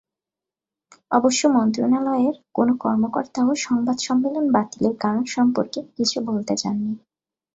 অবশ্য মন্ত্রণালয়ের কোনো কর্মকর্তাও সংবাদ সম্মেলন বাতিলের কারণ সম্পর্কে কিছু বলতে চাননি।